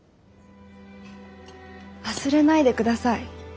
忘れないでください